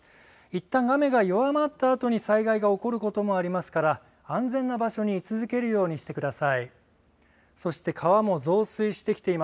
いったん雨が弱まったあとに災害が起こることもありますから安全な場所に居続けるようにしてください。